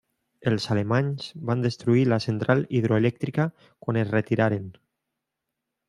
Els alemanys van destruir la central hidroelèctrica quan es retiraren.